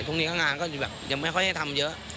ตรงนี้ข้างล่างก็จะแบบยังไม่ค่อยให้ทำเยอะ